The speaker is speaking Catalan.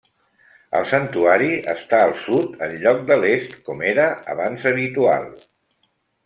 El santuari està al sud en lloc de l'est, com era abans habitual.